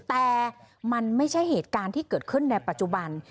แต่มันไม่ใช่เหตุการณ์ที่เกิดขึ้นในปัจจุบัน